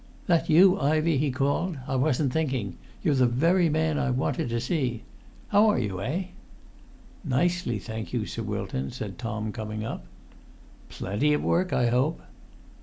"That you, Ivey?" he called. "I wasn't thinking; you're the very man I wanted to see. How are you, eh?" "Nicely, thank you, Sir Wilton," said Tom, coming up. "Plenty of work, I hope?"